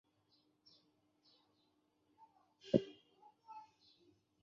অবশ্যি এক-আধ দিন বকা খেলে কিছু যায়-আসে না, কি বল?